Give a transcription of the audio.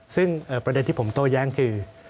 ซึ่งประเด็นที่ผมโต้แย้งคือ